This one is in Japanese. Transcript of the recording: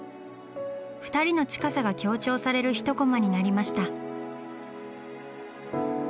２人の近さが強調される１コマになりました。